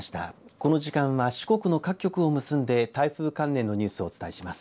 この時間は四国の各局を結んで台風関連のニュースをお伝えします。